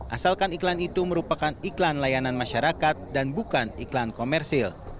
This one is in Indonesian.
asalkan iklan itu merupakan iklan layanan masyarakat dan bukan iklan komersil